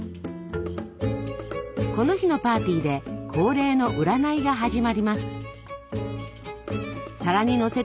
この日のパーティーで恒例の占いが始まります。